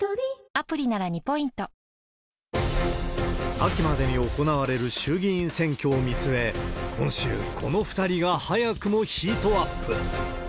秋までに行われる衆議院選挙を見据え、今週、この２人が早くもヒートアップ。